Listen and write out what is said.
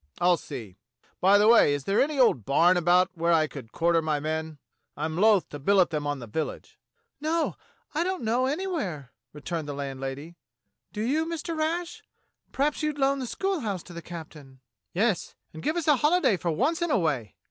I'll see. By the way, is there any old barn about where I could quarter my men? I'm loath to billet them on the village." "No, I don't know anywhere," returned the land lady. "Do you, Mr. Rash.^ Perhaps you'd loan the schoolhouse to the captain.^^" "Yes, and give us a holiday for once in a way!"